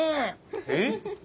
えっ？